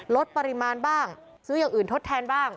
ลดปริมาณบ้างซื้ออย่างอื่นทดแทนบ้าง